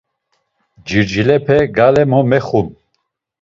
Circilepe gale mo mexum!